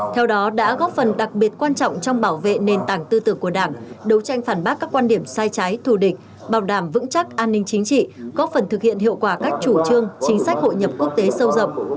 theo đó đã góp phần đặc biệt quan trọng trong bảo vệ nền tảng tư tưởng của đảng đấu tranh phản bác các quan điểm sai trái thù địch bảo đảm vững chắc an ninh chính trị góp phần thực hiện hiệu quả các chủ trương chính sách hội nhập quốc tế sâu rộng